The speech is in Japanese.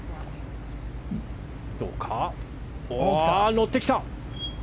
乗ってきた！